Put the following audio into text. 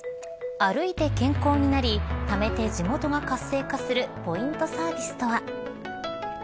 歩いて健康になりためて地元が活性化するポイントサービスとは。